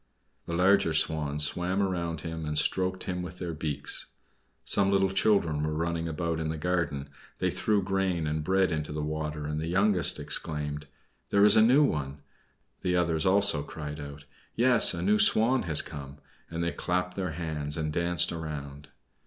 The larger Swans swam round him, and stroked him with their beaks. Some little children were running about in the garden; they threw grain and bread into the water, and the youngest exclaimed: "There is a new one!" The others also cried out: "Yes, a new Swan has come!" and they clapped their hands, and danced around.